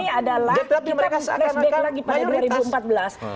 jadi mereka seakan akan mayoritas